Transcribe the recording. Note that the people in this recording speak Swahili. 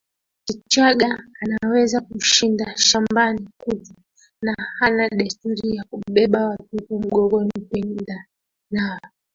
Kichagga anaweza kushinda shambani kutwa na hana desturi ya kubeba watoto mgongoni kwenda nao